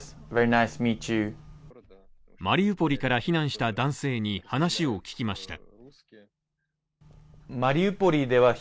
マリウポリから避難した男性に話を聞きました。